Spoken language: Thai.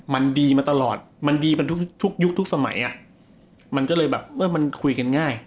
มันดีมาตลอดมันดีกันทุกทุกยุคทุกสมัยอ่ะมันก็เลยแบบว่ามันคุยกันง่าย